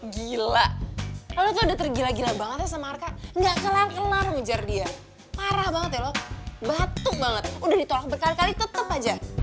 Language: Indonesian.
gila aduh udah tergila gila banget ya sama arka gak kelar kelan ngejar dia parah banget ya lo batuk banget udah ditolak berkali kali tetep aja